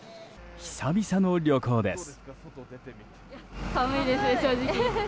久々の旅行です。